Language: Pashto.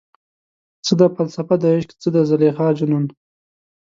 څه ده فلسفه دعشق، څه د زلیخا جنون؟